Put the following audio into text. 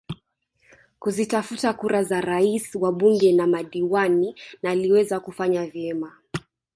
Kuzitafuta kura za Rais wabunge na madiwani na aliweza kufanya vyema